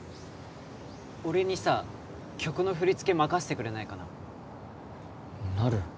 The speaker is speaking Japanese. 俺にさ曲の振り付け任せてくれないかななる